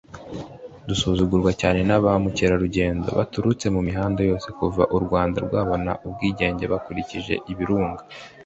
dusurwa cyane na ba mukerarugendo baturutse imihanda yose kuva u Rwanda rwabona ubwigenge bakurikiye ibirunga